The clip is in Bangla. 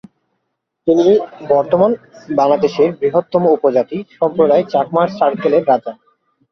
তিনি বর্তমান বাংলাদেশের বৃহত্তম উপজাতি সম্প্রদায় চাকমা সার্কেলের রাজা।